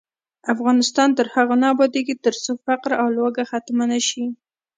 افغانستان تر هغو نه ابادیږي، ترڅو فقر او لوږه ختمه نشي.